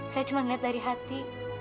saya cuma melihat dari hati